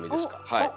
はい。